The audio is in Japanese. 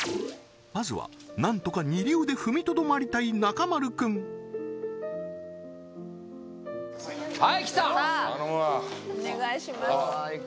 まずはなんとか二流で踏みとどまりたい中丸君はいきた頼むわお願いします